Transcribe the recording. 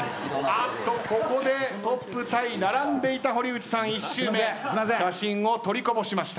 ここでトップタイ並んでいた堀内さん１周目写真を取りこぼしました。